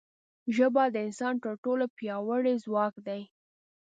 ژبه د انسان تر ټولو پیاوړی ځواک دی